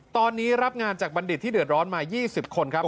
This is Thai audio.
ตอนนี้รับงานจากบัณฑิตที่เดือดร้อนมา๒๐คนครับ